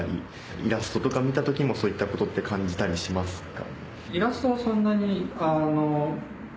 イラストとか見た時もそういったことって感じたりしますか？